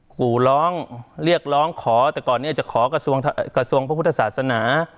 ขู่ร้องเรียกร้องขอแต่ก่อนนี้จะขอกระทรวงพระพุทธศาสนา